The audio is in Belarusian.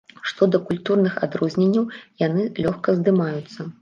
Што да культурных адрозненняў, яны лёгка здымаюцца.